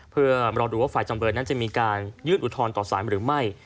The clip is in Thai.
เพื่อรอดูว่าฝ่ายจำเลยนั้นจะมีการยื่นอุทธรณ์ต่อสารหรือไม่